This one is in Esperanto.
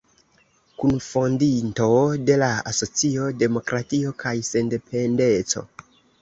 Kunfondinto de la asocio Demokratio kaj sendependeco.